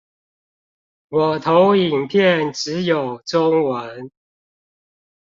我投影片只有中文